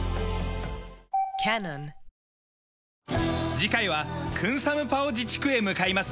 次回はクンサムパオ自治区へ向かいます。